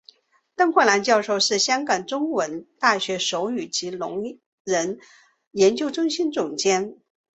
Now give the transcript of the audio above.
邓慧兰教授是香港中文大学手语及聋人研究中心总监。